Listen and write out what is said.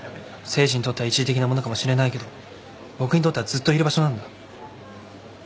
誠治にとっては一時的なものかもしれないけど僕にとってはずっといる場所なんだ。